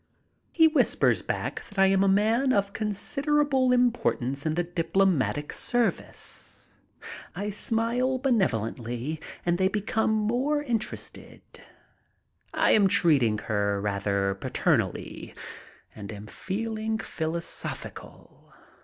He whispers back that I am a man of consider able importance in the diplomatic service. I smile benevo lently and they become more interested. I am treating her rather paternally and am feeling philo sophical.